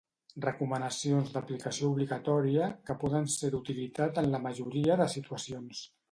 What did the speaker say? Recomanacions d'aplicació obligatòria, que poden ser d'utilitat en la majoria de situacions.